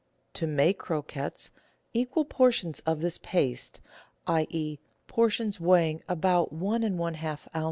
To make croquettes, equal portions of this paste, i.e., por tions weighing about one and one half oz.